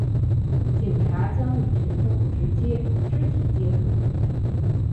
警察将与群众直接肢体接触